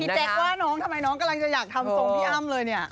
แจ๊กว่าน้องทำไมน้องกำลังจะอยากทำทรงพี่อ้ำเลยเนี่ย